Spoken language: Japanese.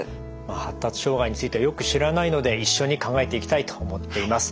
発達障害についてはよく知らないので一緒に考えていきたいと思っています。